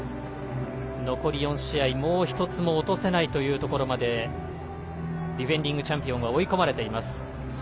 残り４試合一つも落とせないところまでディフェンディングチャンピオン追い込まれています。